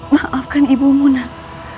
maafkan ibu munah